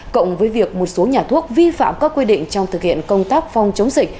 cộng với việc một số nhà thuốc vi phạm các quy định trong thực hiện công tác phòng chống dịch